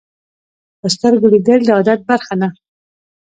په سترګو لیدل د عادت برخه ده